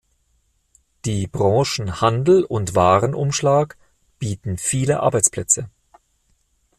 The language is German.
Die Branchen Handel und Warenumschlag bieten viele Arbeitsplätze.